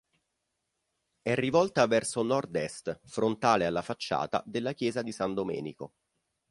È rivolta verso nord-est, frontale alla facciata della chiesa di San Domenico.